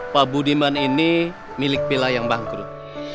pak budiman ini milik pila yang bangkrut